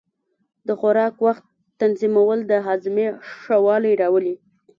د خوراک وخت تنظیمول د هاضمې ښه والی راولي.